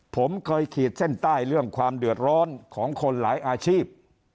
ผมเคยขีดเส้นใต้เรื่องความเดือดร้อนของคนหลายอาชีพ